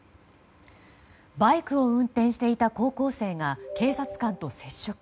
バイクを運転していた高校生が警察官と接触。